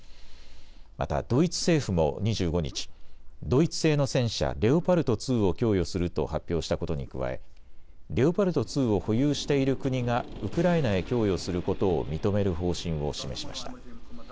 またドイツ政府も２５日、ドイツ製の戦車、レオパルト２を供与すると発表したことに加えレオパルト２を保有している国がウクライナへ供与することを認める方針を示しました。